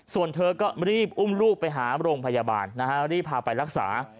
ส่วนเธอก็รีบอุ้มลูกไปหาโรงพยาบาลนะฮะรีบพาไปรักษา